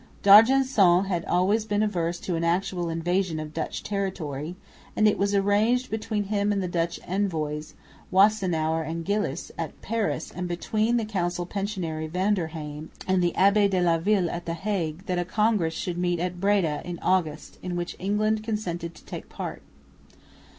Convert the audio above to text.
D'Argenson had always been averse to an actual invasion of Dutch territory; and it was arranged between him and the Dutch envoys, Wassenaer and Gilles, at Paris, and between the council pensionary Van der Heim and the Abbé de la Ville at the Hague, that a congress should meet at Breda in August, in which England consented to take part.